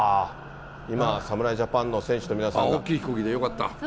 今、侍ジャパンの選手の皆大きい飛行機でよかった。